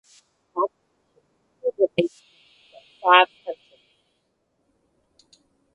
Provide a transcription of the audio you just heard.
Competition included eight teams from five countries.